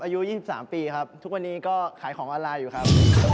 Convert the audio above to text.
อายุ๒๓ปีครับทุกวันนี้ก็ขายของออนไลน์อยู่ครับ